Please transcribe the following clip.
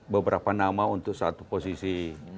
beberapa nama untuk satu posisi